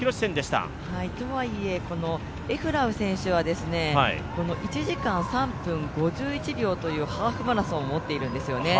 とはいえエフラウ選手は１時間３分５１秒というハーフマラソンを持っているんですよね。